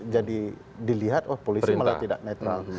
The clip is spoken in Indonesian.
jadi dilihat oh polisi malah tidak netral